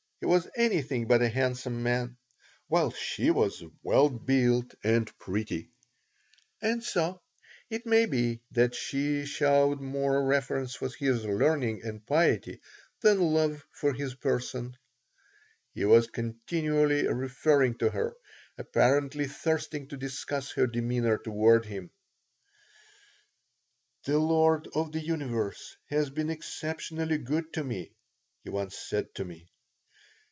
He was anything but a handsome man, while she was well built and pretty. And so it may be that she showed more reverence for his learning and piety than love for his person. He was continually referring to her, apparently thirsting to discuss her demeanor toward him "The Lord of the Universe has been exceptionally good to me," he once said to me.